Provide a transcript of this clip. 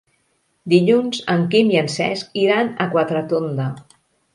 Dilluns en Quim i en Cesc iran a Quatretonda.